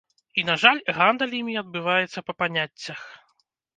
І, на жаль, гандаль імі адбываецца па паняццях.